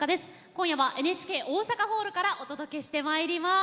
今夜はＮＨＫ大阪ホールからお届けしてまいります。